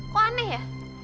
kok aneh ya